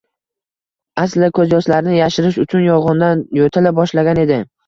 Aslida ko`z yoshlarini yashirish uchun yolg`ondan yo`tala boshlagan edi